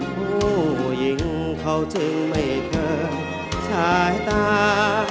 ผู้หญิงเขาจึงไม่เคยชายตา